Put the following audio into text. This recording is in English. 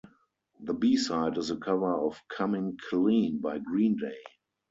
The B-Side is a cover of "Coming Clean" by Green Day.